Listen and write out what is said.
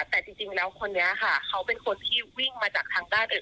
แต่จริงแล้วคนนี้ค่ะเขาเป็นคนที่วิ่งมาจากทางด้านอื่น